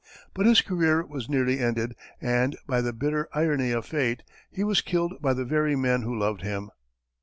But his career was nearly ended, and, by the bitter irony of fate, he was to be killed by the very men who loved him.